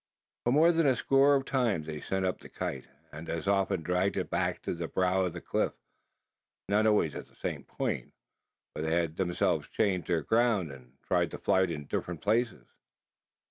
For more than a score of times they had sent up the kite, and as often dragged it back to the brow of the cliff; not always at the same point: for they had themselves changed their ground, and tried the flight in different places.